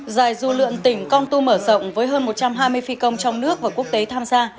giải du lượn tỉnh con tum mở rộng với hơn một trăm hai mươi phi công trong nước và quốc tế tham gia